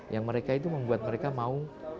yang mereka itu membuat mereka mau